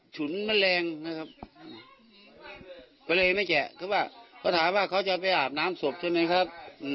คือว่าเขาถามว่าเขาจะไปอาบน้ำศพใช่ไหมครับ